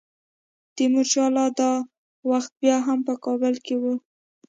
تیمورشاه لا دا وخت بیا هم په کابل کې وو.